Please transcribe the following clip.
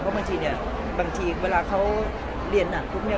เพราะบางทีเวลาเขาเรียนหนักปุ๊บเนี่ย